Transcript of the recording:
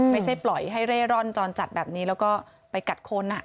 ไม่ใช่ปล่อยให้เร่ร่อนจรจัดแบบนี้แล้วก็ไปกัดคน